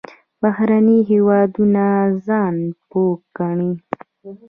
بهرني هېوادونه ځان پوه ګڼي.